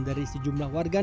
dari sejumlah warganet